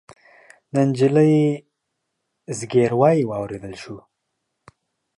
د نجلۍ زګيروی واورېدل شو.